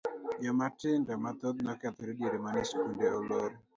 Jomatindo mathoth nokethore diere mane skunde olor.